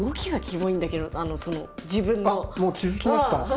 あっもう気付きました？